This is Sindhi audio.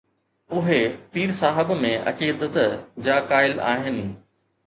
اهي پير صاحب ۾ عقيدت جا قائل آهن.